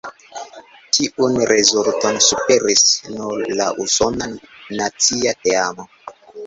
Tiun rezulton superis nur la usona nacia teamo.